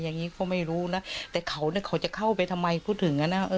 อย่างนี้ก็ไม่รู้นะแต่เขาจะเข้าไปทำไมพูดถึงนะ